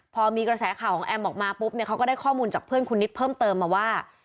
พอมีกระแสข่าวของแอมออกมาปุ๊บเนี่ยเขาก็ได้ข้อมูลจากเพื่อนคุณนิดเพิ่มเติมมาว่า